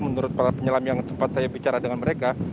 menurut para penyelam yang sempat saya bicara dengan mereka